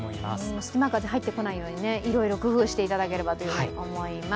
隙間風入ってこないようにいろいろ工夫していただければと思います。